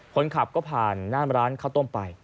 คนขับก็ผ่านหน้าร้านข้าวต้มไป